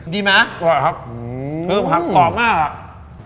ดีมั้ยอร่อยครับเออภักด์กรอบมากอ่ะ